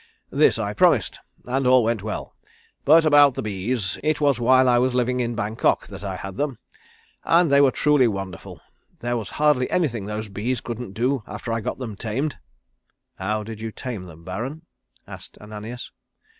This I promised, and all went well. But about the bees, it was while I was living in Bangkok that I had them, and they were truly wonderful. There was hardly anything those bees couldn't do after I got them tamed." "How did you tame them, Baron," asked Ananias.